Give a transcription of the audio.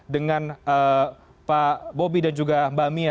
dengan pak bobby dan juga mbak mia